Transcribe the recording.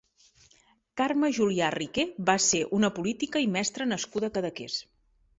Carme Julià Riqué va ser una política i mestra nascuda a Cadaqués.